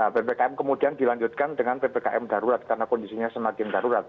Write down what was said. ppkm kemudian dilanjutkan dengan ppkm darurat karena kondisinya semakin darurat